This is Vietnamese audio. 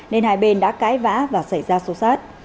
nên hai bên đã cãi vã và xảy ra xô xát